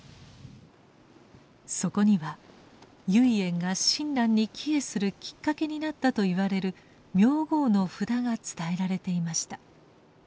そこには唯円が親鸞に帰依するきっかけになったといわれる名号の札が伝えられていました。